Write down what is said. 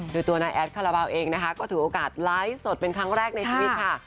โดยตัวนายแอดคาราบาลเองนะคะก็ถือโอกาสไลฟ์สดเป็นครั้งแรกในชีวิตค่ะ